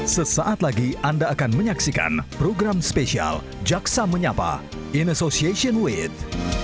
sesaat lagi anda akan menyaksikan program spesial jaksa menyapa in association with